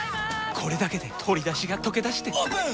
これだけで鶏だしがとけだしてオープン！